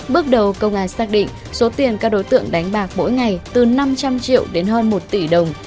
bước đầu công an xác định số tiền các đối tượng đánh bạc mỗi ngày từ năm trăm linh triệu đến hơn một tỷ đồng